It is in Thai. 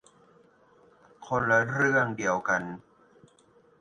คนละเรื่องเดียวกัน